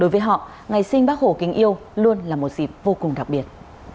với họ ngày sinh bác hổ kính yêu luôn là một dịp vô cùng đặc biệt